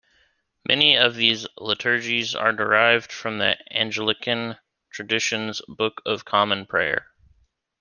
Many of these liturgies are derived from the Anglican tradition's Book of Common Prayer.